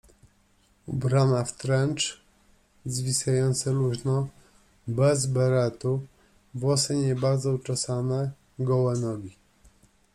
Ubrana w trencz, zwisający luźno, bez beretu, włosy nie bardzo uczesane, gołe nogi.